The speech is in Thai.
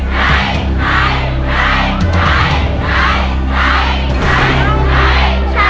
ใช้ป้าย